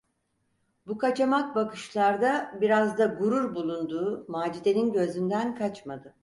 Bu kaçamak bakışlarda biraz da gurur bulunduğu Macide’nin gözünden kaçmadı.